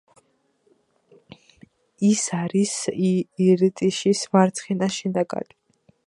ის არის ირტიშის მარცხენა შენაკადი.